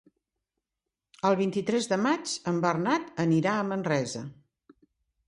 El vint-i-tres de maig en Bernat anirà a Manresa.